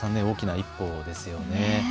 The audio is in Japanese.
大きな一歩ですよね。